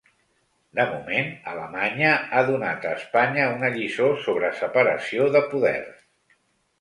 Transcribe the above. De moment, Alemanya ha donat a Espanya una lliçó sobre separació de poders.